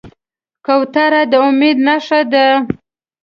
کوتره د امید نښه ده.